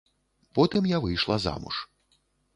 Потым я выйшла замуж.